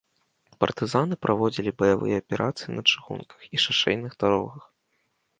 Партызаны праводзілі баявыя аперацыі на чыгунках і шашэйных дарогах.